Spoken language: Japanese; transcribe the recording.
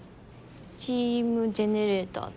チーム・ジェネレーターズ。